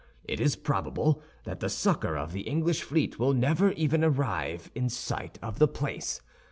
It is probable that the succor of the English fleet will never even arrive in sight of the place.